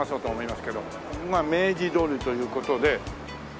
まあ明治通りという事で。